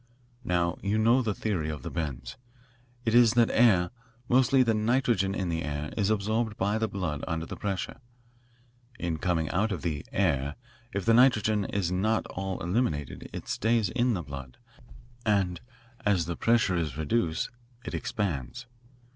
Now, you know the theory of the bends. It is that air mostly the nitrogen in the air is absorbed by the blood under the pressure. In coming out of the 'air' if the nitrogen is not all eliminated, it stays in the blood and, as the pressure is reduced, it expands.